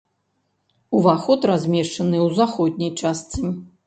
Уваход размешчаны ў заходняй частцы.